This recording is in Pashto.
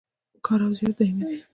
کار او زیار دایمي دی